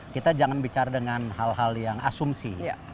kita jangan bicara dengan hal hal yang asumsi